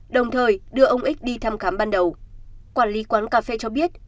đồng thời đưa ông ích đi thăm khám ban đầu quản lý quán cà phê cho biết